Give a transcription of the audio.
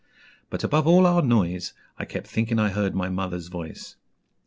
But above all our noise, I kept thinking I heard my mother's voice.